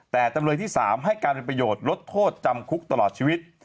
แต่จำเลยที่๓ให้การเป็นประโยชน์ลดโทษจำคุกตลอดชีวิต